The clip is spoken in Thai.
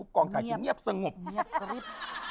กองถ่ายจะเงียบสงบ